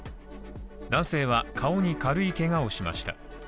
男性は顔に軽いけがをしました。